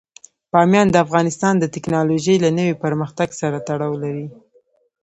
بامیان د افغانستان د تکنالوژۍ له نوي پرمختګ سره تړاو لري.